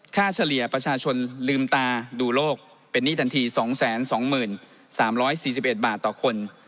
เฉลี่ยประชาชนลืมตาดูโลกเป็นหนี้ทันที๒๒๓๔๑บาทต่อคน